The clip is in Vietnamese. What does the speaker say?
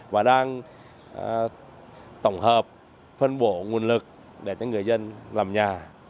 và đang tổng hợp phân bổ nguồn lực để cho người dân làm nhà